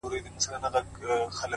د حقیقت منکر حقیقت نه بدلوي.!